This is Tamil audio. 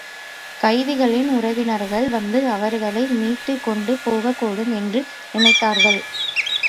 கைதிகளின் உறவினர்கள் வந்து அவர்களை மீட்டுக் கொண்டு போகக் கூடும் என்று நினைத்தார்கள்.